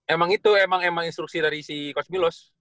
emang itu emang emang instruksi dari si cosmilos